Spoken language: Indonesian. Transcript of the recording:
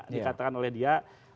dikatakan oleh dia